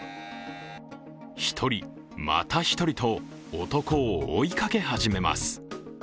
１人、また１人と男を追いかけ始めます。